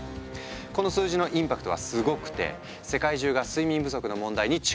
この数字のインパクトはすごくて世界中が睡眠不足の問題に注目。